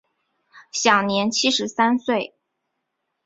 享年七十三岁。